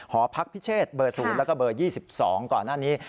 หอพักพิเศษเบอร์๐แล้วก็เบอร์๒๒ก่อนหน้านี้